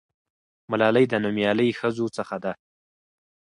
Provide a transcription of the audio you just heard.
ملالۍ د نومیالۍ ښځو څخه ده.